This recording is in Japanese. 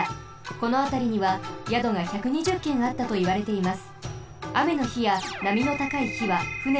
このあたりには宿が１２０軒あったといわれています。